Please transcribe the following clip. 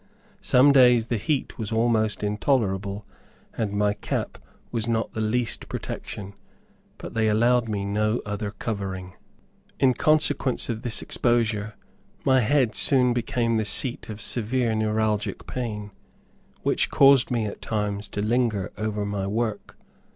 Some days the heat was almost intolerable, and my cap was not the least protection, but they allowed me no other covering. In consequence of this exposure, my head soon became the seat of severe neuralgic pain, which caused me at times to linger over my work.